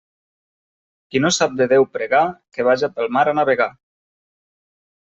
Qui no sap de Déu pregar, que vaja pel mar a navegar.